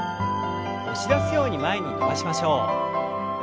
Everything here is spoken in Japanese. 押し出すように前に伸ばしましょう。